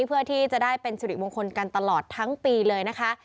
เพื่อที่จะได้เป็นสิริมงคลกันตลอดทั้งปีเลยนะคะ